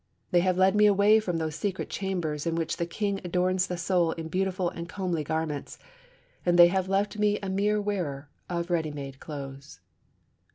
They have led me away from those secret chambers in which the King adorns the soul in beautiful and comely garments, and they have left me a mere wearer of ready made clothes.